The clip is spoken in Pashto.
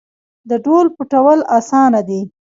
د ډهل پټول اسانه دي .